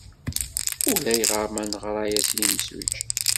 Ulayɣer ma neɣra-as i yimsujji.